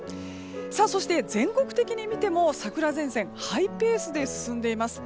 そして、全国的に見ても桜前線ハイペースで進んでいます。